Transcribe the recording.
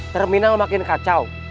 terminal makin kacau